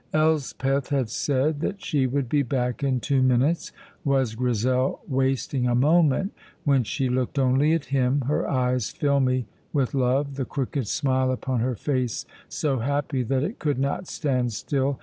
Elspeth had said that she would be back in two minutes. Was Grizel wasting a moment when she looked only at him, her eyes filmy with love, the crooked smile upon her face so happy that it could not stand still?